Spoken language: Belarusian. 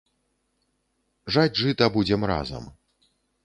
Жаць жыта будзем разам.